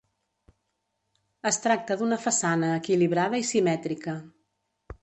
Es tracta d'una façana equilibrada i simètrica.